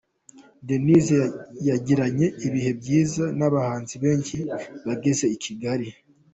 Denise yagiranye ibihe byiza n’abahanzi benshi bageze i Kigali.